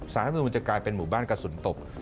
สารรัฐมนุนมันจะกลายเป็นหมู่บ้านกระสุนตก